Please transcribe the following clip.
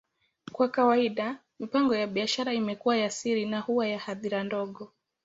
Kwa kawaida, mipango ya biashara imekuwa ya siri na huwa na hadhira ndogo.